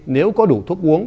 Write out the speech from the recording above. nếu có đủ thuốc uống